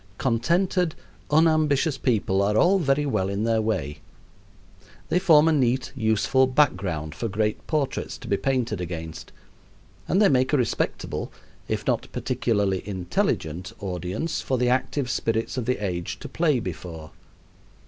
Contented, unambitious people are all very well in their way. They form a neat, useful background for great portraits to be painted against, and they make a respectable, if not particularly intelligent, audience for the active spirits of the age to play before.